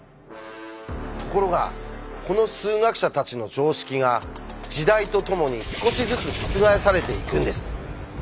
ところがこの数学者たちの常識が時代とともに少しずつ覆されていくんです。